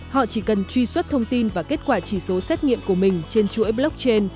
họ chỉ cần truy xuất thông tin và kết quả chỉ số xét nghiệm của mình trên chuỗi blockchain